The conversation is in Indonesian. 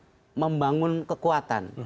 tidak saling membangun kekuatan